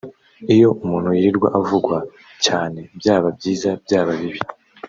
Iyo umuntu yirirwa avugwa cyane byaba byiza byaba bibi